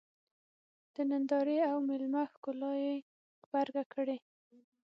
د نندارې او مېلمه ښکلا یې غبرګه کړې.